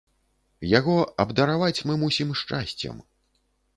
Яго абдараваць мы мусім шчасцем.